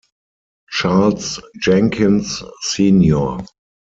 Charles Jenkins Sr.